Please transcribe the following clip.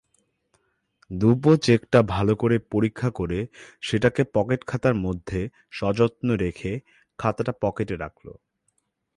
দুপোঁ চেকটা ভালো করে পরীক্ষা করে সেটাকে পকেটখাতার মধ্যে সযত্নে রেখে খাতাটা পকেটে রাখল।